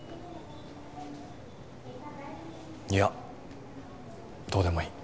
いやどうでもいい。